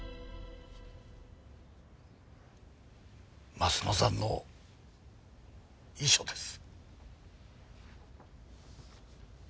鱒乃さんの遺書です。